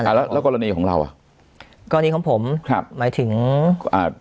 แล้วแล้วกรณีของเราอ่ะกรณีของผมครับหมายถึงอ่า